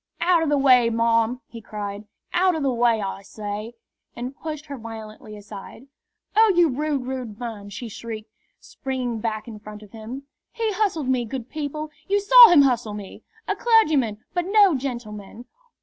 "Out o' the way, marm!" he cried. "Out o' the way, I say!" and pushed her violently aside. "Oh, you rude, rude man!" she shrieked, springing back in front of him. "He hustled me, good people; you saw him hustle me! A clergyman, but no gentleman!